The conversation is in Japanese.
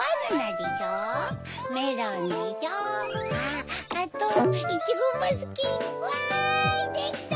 できた！